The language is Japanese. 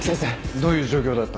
どういう状況だった？